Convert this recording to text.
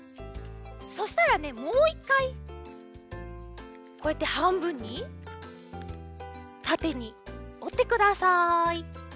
そしたらねもう１かいこうやってはんぶんにたてにおってください。